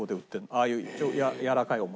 ああいうやわらかいお餅。